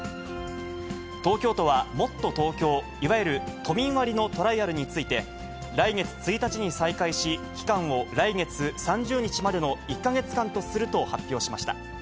東京都はもっとＴｏｋｙｏ、いわゆる都民割のトライアルについて、来月１日に再開し、期間を来月３０日までの１か月間とすると発表しました。